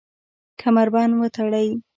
کمربند وتړئ